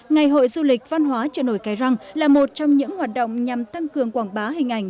ngày hội du lịch văn hóa chợ nổi cái răng là một trong những hoạt động nhằm tăng cường quảng bá hình ảnh